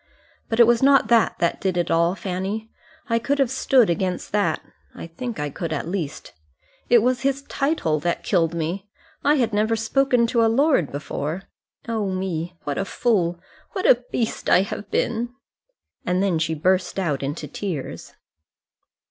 But it was not that that did it all, Fanny. I could have stood against that. I think I could at least. It was his title that killed me. I had never spoken to a lord before. Oh, me! what a fool, what a beast I have been!" And then she burst out into tears.